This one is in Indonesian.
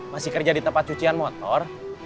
masih kerja di tempat cucian motor